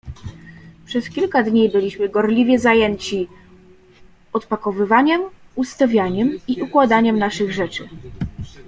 "Przez kilka dni byliśmy gorliwie zajęci odpakowywaniem, ustawianiem i układaniem naszych rzeczy."